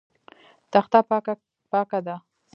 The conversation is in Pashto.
تخته پاکه ده.